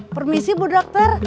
permisi bu dokter